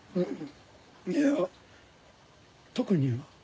いや特には。